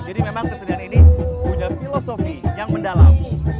jadi memang kesinihan ini punya filosofi yang mendalam